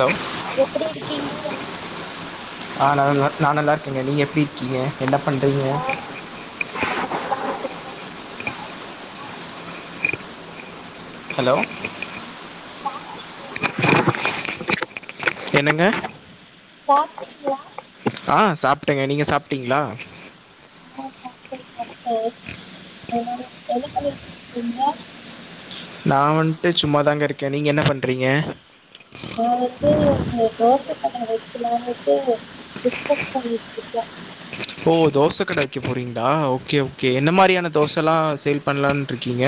Hello எப்டி இருக்கீங்க ஆ நல்ல நா நல்லாருக்கேங்க நீங்க எப்டி இருக்கீங்க என்ன பண்றீங்க சாப்ட்டீங்களா ஹலோ சாப்ட்டிங்ளா என்னங்க சாப்ட்டீங்ளா ஆ சாப்ட்டேங்க நீங்க சாப்ட்டிங்ளா ஆ சாப்டே சாப்டே என்ன பன்னிட்ருக்கீங்க நா வந்ட்டு சும்மாதாங்க இருக்கே நீங்க என்ன பண்றீங்க [unintelligible] ஒரு தோச கட வெக்கலான்ட்டு டிஸ்கஸ் பண்ணிட்டு இருக்கே ஓ தோச கட வக்கெ போறீங்ளா ஓகே ஓகே என்ன மாரியான தோசலா சேல் பண்ணலான் இருக்கீங்க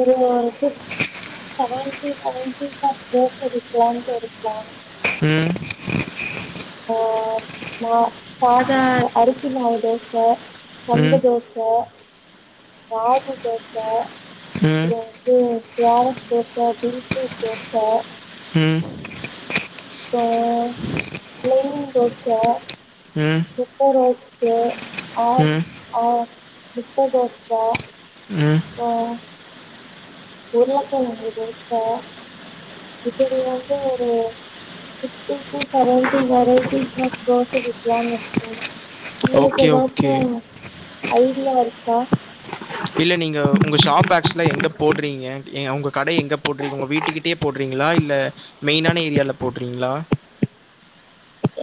ஒரு fifteen [inaudible] seventy varieties of dosa விக்குலான்ட்டு ஒரு பிளான் இருக்கு ம் ஆ மா [unintelligible] அரிசி மாவு தோச கம்பு ம் தோச ராகி தோச ம் அப்றொ ம் ரா தோச [unintelligible] தோச ம் அப்றோ ப்ளெய்ன் தோச ம் பெப்பர் ரோஸ்ட்டு ம் [unintelligible] முட்ட தோச ம் அப்றோ உருளக்கெழங்கு தோச இப்புடி வந்து ஒரு fifty to seventy varieties of dosa விக்லான் இருக்கே உங்களுக்கு ஓகே எதாச்சு ஓகே ஐடியா இருக்கா இல்ல நீங்க உங்க ஷாப் ஆக்ச்ஸலா எங்க போட்றீங்க உங்க கடை எங்க போட்றீங்க உங்க வீட்டுக்கிட்டே போட்றீங்களா இல்ல மெயினான ஏரியால போடுறீங்ளா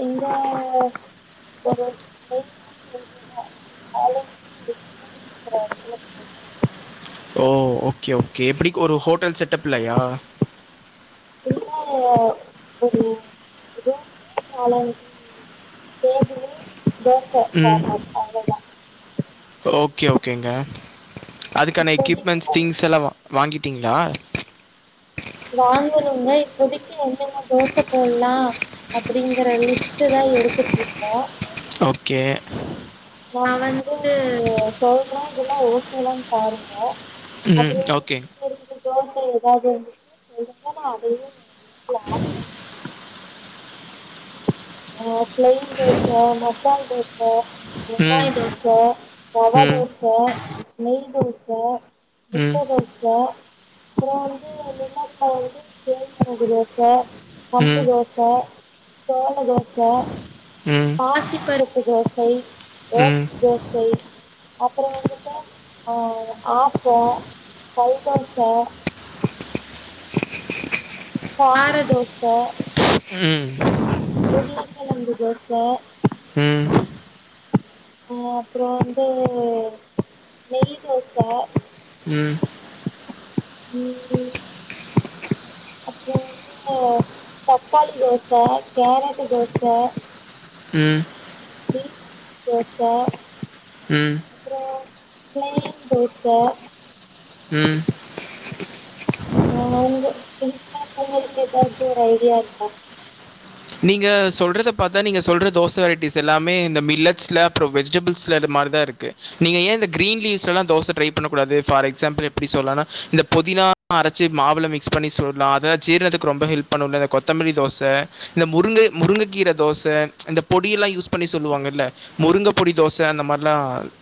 எங்க ஒரு மெயினான ஏரியா தா ரெண்டு காலேஜ்ஜு ஒரு ஸ்கூல் இருக்குற எடத்ல ஓ ஓகே ஓகே எப்டி ஒரு ஹோட்டல் செட்டப்லயா இல்ல ஒரு ம். [inaudible] [inaudible] [unintelligible] ஓகே ஓகேங்க அதுக்கான இப்போதைக்கு எக்யூப்மெண்ட்ஸ் வந்து திங்ஸ் எல்லா வாங்கிட்டிங்ளா வாங்கணுங்க இப்போதைக்கு வந்து என்னென்ன தோச போடலா அப்டிங்கற லிஸ்ட் தா எடுத்துட்டு இருக்கோ ஓகே நா வந்து சொல்ற இதெல்லா ஓகேல்லான்னு பாருங்க ம். அப்பற ஓகே. உங்களுக்கு இரு தோச ஏதாவது இருந்துச்சுன்னா சொல்லுங்க நா அதையு ஆட் பண்ணன் ஆ பிளைன் தோச மசால் தோச ம். வெங்காய தோச ரவா ம். தோச நெய் தோச ம். முட்ட தோச அப்பற வந்து வெல்லத்துல வந்து கேழ்வரகு தோச கம்பு ம். தோச சோள தோச ம். பாசிப்பருப்பு தோசை ம். ஓட்ஸ் தோசை அப்பற வந்துட்டு ஆப்ப கல் தோச கார தோச ம் உருளைக்கிழங்கு தோச ம். அஅப்பற வந்து நெய் தோச ம் ம்ம் இ வந்து தக்காளி தோச கேரட்டு தோச ம் பீட்ரூட் தோச ம். அப்பற பிளைன் தோச ம் அ உ இதுக்கு மேல உங்களுக்கு ஏதாச்சும் ஒரு ஐடியா இருக்கா நீங்க சொல்றத பாரத்தா நீங்க சொல்ற தோச வெரைட்டிஸ் எல்லாமே இந்த மில்லட்ஸ்ல அப்பற வெஜிடபிள்ஸ் ல இது மாதிரி தா இருக்கு நீங்க ஏய இந்த கிரீன் லீவஸ் எல்லா தோச ட்ரை பண்ணக் கூடாது பார் எக்ஸாம்பி எப்டி சொல்லா இந்த புதினா அரச்சு மாவுல மிக்ஸ் பண்ணி சூடுல்லடலா அதால் ஜீரணத்துக்கு ரொம்ப ஹெல்ப் பண்ணுலா இந்த கொத்தமல்லி தோச இந்த முருங்க முருங்கைக்கீரை தோச இந்த பொடிய எல்லா யூஸ் பண்ணி சொல்லுவாங்கல்ல முருங்க பொடி தோச அந்த மாதிரிலா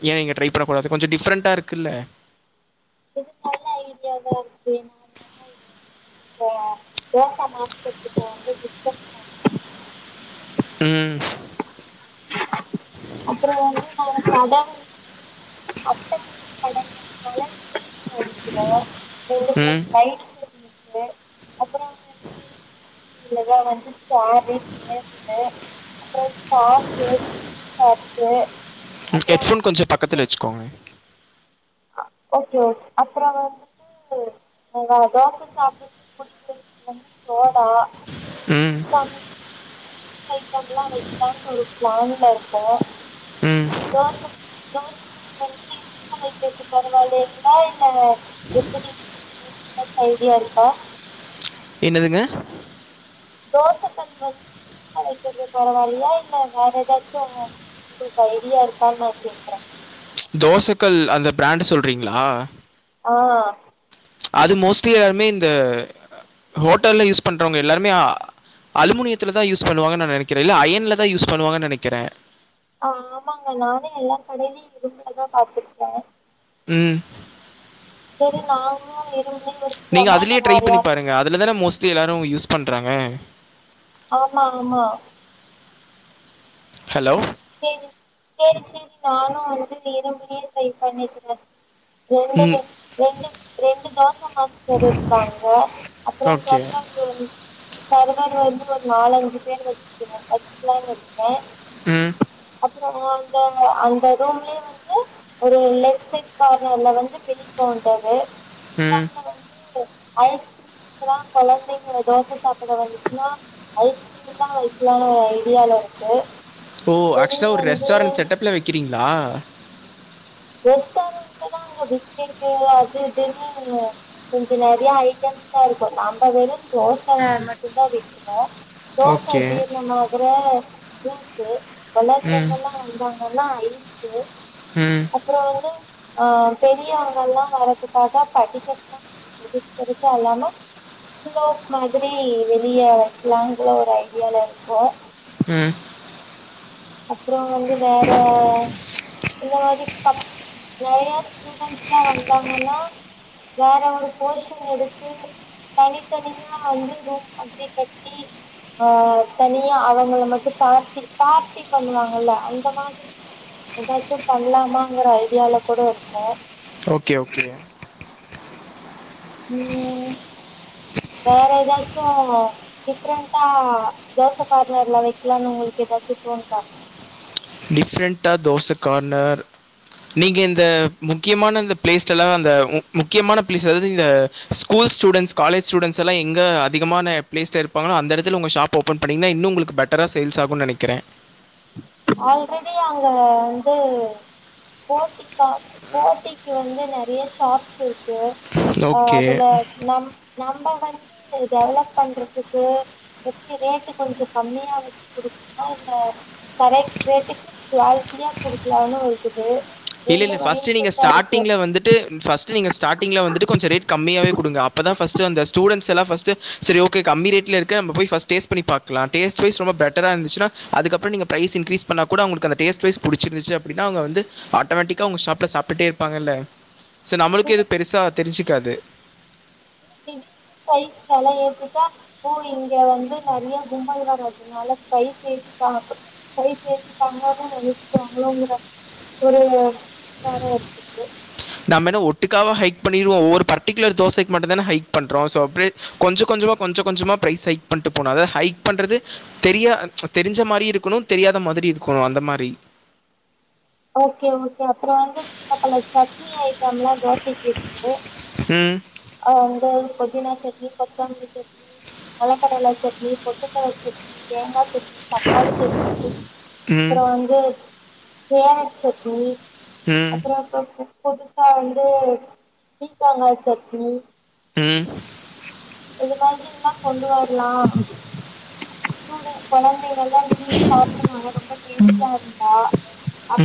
ஏய நீங்க ட்ரை பண்ணக்கூடாது கொஞ்ச டிஃப்ரண்டா இருக்குல்ல இது நல்ல ஐடியாவ இருக்கு நா வெண்ணுன்னா எய தோச மாஸ்டர் கிட்ட வந்து டிஸ்கஸ் பண்ற ம் அப்பற வந்து நாங்க சடங் அட்டமோட்ட படங்கள்னால சுவீட் அடிக்கிறோ ரெண்டு மூணு ம். லைட்ஸ் செட்டிங் இருக்கு அப்பற இதுலதா வந்து சேரு டேபிள் அப்பற சாஸு சில்லி சாஸு அப்புறோ ஹெட்ஃபோன் கொஞ்ச பக்கத்தில்ல வச்சுக்கோங்க ஓகே ஓகே அப்பற வந்துட்டு தோச சாப்படுறது குடிக்கிறதுக்கு வந்து சோடா ம் ஸ்ட்ரைட் எல்லா வைக்கலான்ட்டு ஒரு பிளானனுல இருக்கும் ம். தோச தோச கல்ல வந்து [unintelligible] வைக்கிறது பரவாயில்லேங்களா இல்ல எப்டி உங்களுக்கு எதாச்சும் ஐடியா இருக்கா என்னதுங்க தோச கல் வந்து இருப்புல வைக்கிறது பரவாயில்யா இல்ல வேற எதாச்சு உங்களுக்கு ஐடியா இருக்கான்னு நா கேக்குறே தோசக்கல் அந்த பிராண்டு சொல்றீங்ளா ஆ அது மோஸ்ட்லி எல்லாருமே இந்த ஹோட்டல்ல யூஸ் பண்றவங்க எல்லாருமே ஆ அலுமுனியத்துலதா யூஸ் பண்ணுவாங்கனு நா நெனைக்கிறே இல்ல அயன்ல தா யுஸ் பண்ணுவாங்கனு நெனைக்கிறே ஆ ஆமாங்க நானு எல்லா கடையிலயு இரும்புலதா பாத்துருக்க ம் சேரி நாங்களு இரும்புலே வச்சு நீங்க அதுலயே ட்ரை பண்ணி பாருங்க அதுல தான மோஸ்டலி எல்லாரு யூஸ் பண்றாங்க ஆமா ஆமா ஹலோ சேரி சேரி சேரி நானு வந்து இரும்புலே ட்ரை பண்ணிக்கிறே ரெண்டு ம் ரெண்டு ரெண்டு தோச மாஸ்டர் இருக்காங்க அப்றோ ஓகே சர்வ ர் சர்வர் வந்து ஒரு நாலஞ்சு பேர் வச்சுக்கே வச்சுக்கலான்னு இருக்கே ம் அப்றோ அந்த அந்த ரூம்லியே வந்து ஒரு லெஃப்ட் சைட் கார்னர்ல வந்து பில் கவுண்டர்ரு ம் ஐஸ்கிரீம்ல்லா கொழந்தைங்க தோச சாப்பிட வந்துச்சுன்னா ஐஸ் இனி தா வைக்கலானு ஒரு ஐடியால இருக்கு ஓ வெளிய ஆக்சுவலா ஒரு வந்து ரெஸ்டாரெண்ட் செட்டப்ல்ல வைக்கிறீங்ளா ரெஸ்டாரெண்ட்ல தா அங்க பிஸ்கெட்டு அது இதுன்னு கொஞ்சோ நெறைய ஐட்டம்ஸ்சா இருக்கு நம்ம வெறு தோச மட்டு தா விக்குறோ தோச ஓகே ஜீர்ணமாகுற ஜூஸு ம் கொழந்தைங்கெல்லா வந்தாங்கன்னா ஐஸு ம் அப்றோ வந்து அ பெரியவங்க எல்லா வரத்துக்காக படிக்கட்லா கொஞ்ச பெருசு பெருசா இல்லாமா சுலோப் மாதிரி வெளிய வைக்கலாங்கல ஒரு ஐடியால இருக்கோ ம் அப்றோ வந்து வேற இந்த மாதிரி கப் நெறைய ஸ்டூடென்ஸ்லா வந்தாங்கன்னா வேற ஒரு போர்ஷன் எடுத்து தனித்தனியா வந்து ரூம் மாதிரி கட்டி ஆ தனியா அவங்கள மட்டு பார்ட்டி பார்ட்டி பண்ணுவாங்கல்ல அந்த மாதிரி எதாச்சு பண்ணலாமாங்குற ஐடியால கூட இருக்கோ ஓகே ஓகே ம் வேற எதாச்சு டிஃப்ரெண்டா தோச கார்னர்ல வைக்கலானு உங்களுக்கு எதாச்சி தோனுதா டி ஃப்ரெண்ட்டா தோச கார்னர் நீங்க இந்த முக்கியமான இந்த பிளேஸ்ல்லா அந்த முக்கியமான பிளேஸ் அதாது இந்த ஸ்கூல்ஸூடென்ஸ் காலேஜ் ஸ்டூட்ஸ்ல்லா எங்க அதிகமான ப்ளேஸ்ல இருப்பாங்ளோ அந்த இடத்து உங்க ஸாப் ஓபன் பண்ணிங்ன்னா இன்னு உங்களுக்கு பெட்டரா சேல்ஸ் ஆகுனு நெனேக்கிறே ஆல்ரெடி அங்க வந்து போட்டி கா போட்டிக்கு வந்து நறைய ஷாப்ஸ் இருக்கு அ ஓகே அதுல நம் நம்ம வந்து டெவலப் பண்றதுக்கு எப்டி ரேட்டு கொஞ்சோ கம்மியா வச்சு குடுத்தா இல்ல கரெக்ட் ரேட்டுக்கு குவாலிட்டியா குடுக்கலானு இருக்குது ரெண்டு இல்லில்ல ஃபஸ்ட் மைண்ட் நீங்க செட்டா இருக்கு ஸ்டாடிங்ல வந்துட்டு ஃபஸ்ட் டு நீங்க ஸ்டாடிங்ல வந்து கொஞ்சோ ரேட் கமமியாவே குடுங்க அப்பதா ஃபஸ்ட் அந்த ஸ்டுடென்ட்ஸ் எல்லா ஃபஸ்ட் சரி ஓகே கம்மி ரேட்ல இருக்கு நம்ப போய் பஸ்ட டேஸ்ட் பண்ணி பாக்லா டேஸ்ட் வய்ஸ் ரொம்பட்டரா இருந்துச்ன்னா அதுப்றோ நீங்க பிரைஸ் இன்க்ரீஸ் பண்ணா கூட அவுங்ளுக்கு அந்த டேஸ்ட்வைஸ் புடிச்சிருந்துச்சு அப்டினா அவுங்க வந்து ஆட்டோமேட்டிக்காக உங்க ஷாப்ல சாப்டுட்டே இருப்பாங்கல்ல ஸோ நம்லுக்கு இல்ல எது பெருசா திடீர் தெரிஞ்சுக்காது இல்ல திடீர்னு ப்ரைஸ் வெல ஏத்திட்டா ஓ இங்க வந்து நறைய கும்பல் வரதுனால பிரைஸ் ஏத்திட்டாங்க ப்ரைஸ் ஏத்திட்டாங்கனு நெனைச்சுக்குவாங்ளோங்ற ஒரு பீல் வேர இருக்குது நம்ம என்ன ஒட்டுக்காவா ஹைக் பண்ணிருவோ ஒவ்வொரு பர்டிகுலர் தோசைக்கு மட்டுதான ஹைக் பண்றோ சோ அ கொஞ்ச கொஞ்சமா கொஞ்ச கொஞ்சமா பிரைஸ் ஹைக் பண்ணிட்டு போனாத ஹைக் பண்றது தெரியா தெரிஞ்ச மாரியு இருக்கணு தெரியாத மாதிரி இருக்கணு அந்த மாரி ஓகே ஓகே அப்றோ வந்து சில பல சட்னி ஐட்டம்லா தோசைக்கு இருக்கு ம் அ வந்து புதினா சட்னி கொத்தமல்லி சட்னி நிலக்கடலசட்னி பொட்டுக்கல்ல சட்னி தேங்கா சட்னி தக்காளி சட்னி ம் அப்றோ வந்து புதினா சட்னி ம் அப்றோ இப்ப புதுசா வந்து பீக்கங்கா சட்னி ம் இது மாதிரில்லா கொண்டு வர்லா ஸ்டுடென்ட்ஸ் கொழந்தைகள் விரும்பி சாப்புடுவாங்க ரொம்படேஸ்டா இருந்தா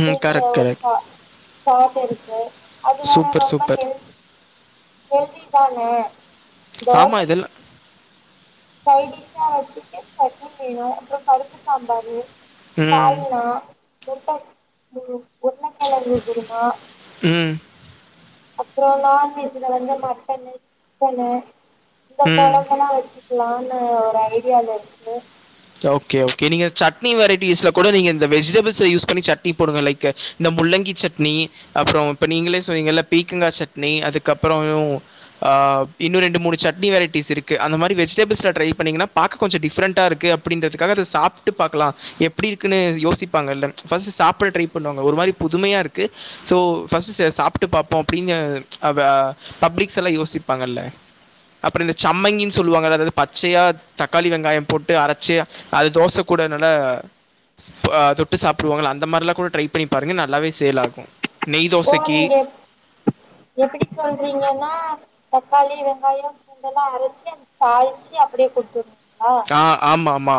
ம் கரெக்ட் ஒரு கரெக்ட் தா [unintelligible] இருக்கு அது வேற சூப்பர் ரொம்ப சூப்பர் ஹெல்த் ஹெல்த்தி தானே ஆமா இதெல்லா சைட் டிஷ்ஷா வச்சுட்டு சட்னி வேணு அப்றோ பருப்பு சாம்பாரு ம் சால்னா முட்ட குரு உருளக்கெழங்கு குருமா ம் அப்றோ நான்வெஜ்ல வந்து மட்டனு சிக்கனு இந்த ம் கொழம்பலா வச்சு க்குலானு ஒரு ஐடியால இருக்கு ஓகே ஓகே நீங்க சட்னி வெரைட்டிஸ்ல கூட நீங்க இந்த வெஜிடபிள்ஸ் யூஸ் பண்ணி சட்னி போடுங்க லைக் இந்த முள்ளங்கி சட்னி அப்றோ இப்ப நீங்ளே சொன்னீங்கள பீக்கங்கா சட்னி அதுக்கப்றோ இன்னு ரெண்டு மூனு சட்னி வெரைட்டிஸ் இருக்கு அந்த மாதிரி வெஜிடபிள்ஸில்ல ட்ரை பண்ணிங்கன்னா பாக்க கொஞ்சோ டிஃரெண்டா இருக்கு அப் அப்டின்றதுக்காக அத சாப்ட்டு பாக்லா எப்டி இருக்குன்னு யோசிப்பாங்க இல்ல ஃபஸ்ட்டு சாப்ட ட்ரை பண்ணுவாங்க ஒரு மாதிரி புதுமையா இருக்கு சோ ஃபஸ்ட் சாப்ட்டு பாப்போ அப்டின்னு அ பப்ளிக்ஸ்ல்லா யோசிப்பாங்கல்ல அப்றோ இந்த சம்மங்கின் சொல்லுவாங்கல அதாவ்து பச்சையா தக்காளி வெங்காயோ போட்டு அர ச்சு அது தோச கூட நல்லா தொட்டு சாப்பிடுவாங்கல அந்த மாரிலா கூட ட்ரை பண்ணி பாருங்க நல்லாவே சேல் ஆகு ஓ நீங்க எப்டி சொல்றீங்கன்னா தக்காளி வெங்காயம் பூண்டெல்லா அரைச்சு அத தாளிச்சு அப்படியே குடுத்துருவிங்களா கா ஆமா ஆமா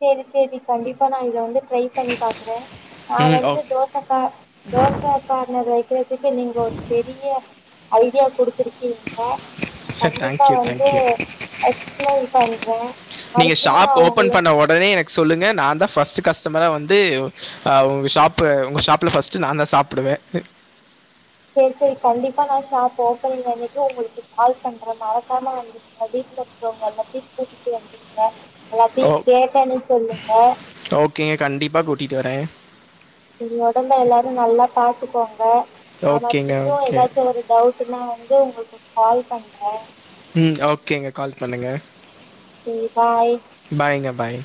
சேரி சேரி கண்டிப்பா நான் இத வந்து ட்ரை பண்ணி பாக்குறே நா ம் வந்து ஓகே தோசை ச கார் தோசை கார்னர் வைக்கறதுக்கு நீங்க ஒரு பெரிய ஐடியா குடுத்துருக்கீங்க நா கண்டிப்பா தேங்க்யூ வந்து தேங்க்யூ எக்ஸ்பிளைன் பண்றே நீங்க மறுபடியு நா ஷாப் ஓப்பன் உங்கள பண்ண ஒடனே எனக்கு சொல்லுங்க நான் தா ஃபஸ்ட் கஸ்டமரா வந்து ஆ உங்க ஷாப் உங்க ஷாப்ல ஃபஸ்ட் நான் தா சாப்புடுவே சேரி சேரி கண்டிப்பா நான் ஷாப் ஓப்பன் பண்ற அன்னைக்கு உங்களுக்கு கால் பண்றேன் மறக்காம வந்து உங்க வீட்டுல இருக்கவங்க எல்லாத்தையு கூட்டிட்டு வந்துடுங்க எல்லாத்தையு ஓ கேட்டேன்னு சொல்லுங்க ஓகே கண்டிப்பா கூட்டிட்டு வரே செரி உடம்ப எல்லாரு நல்லா பாத்துக்கோங்க நான் ஓகேங்க மறுபடியும் ஓகே எதாச்சு ஒரு டவுட்டுனா வந்து உங்களுக்கு கால் பண்றே ம் ஓகேங்க கால் பண்ணுங்க சேரி பாய் பாய்ங்க பாய்